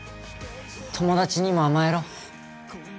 友達にも甘えろ